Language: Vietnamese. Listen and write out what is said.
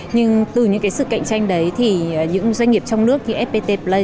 nhưng từ những cái sự cạnh tranh đấy thì những doanh nghiệp trong nước như fpt play